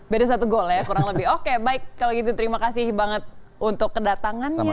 beda satu gol ya kurang lebih oke baik kalau gitu terima kasih banget untuk kedatangannya